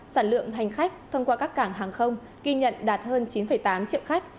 sản lượng hành khách thông qua các cảng hàng không ghi nhận đạt hơn chín tám triệu khách